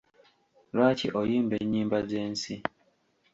Lwaki oyimba ennyimba z'ensi?